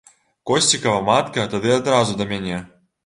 Косцікава матка тады адразу да мяне.